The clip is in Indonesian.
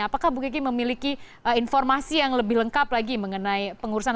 apakah bu kiki memiliki informasi yang lebih lengkap lagi mengenai pengurusan